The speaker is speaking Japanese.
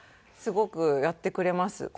すごくやってくれます。